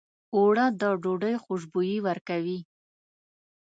اوړه د ډوډۍ خوشبويي ورکوي